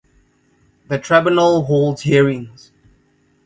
The Tribunal holds hearings.